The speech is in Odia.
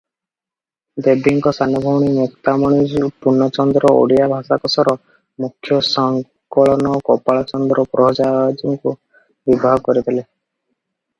ଦେବୀଙ୍କ ସାନଭଉଣୀ ମୁକ୍ତାମଣି ପୂର୍ଣ୍ଣଚନ୍ଦ୍ର ଓଡ଼ିଆ ଭାଷାକୋଷର ମୁଖ୍ୟ ସଂକଳକ ଗୋପାଳ ଚନ୍ଦ୍ର ପ୍ରହରାଜଙ୍କୁ ବିବାହ କରିଥିଲେ ।